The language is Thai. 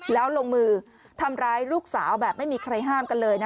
แล้วลงมือทำร้ายลูกสาวแบบไม่มีใครห้ามกันเลย